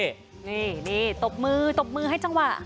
นี่ตบมือตบมือให้จังหวะ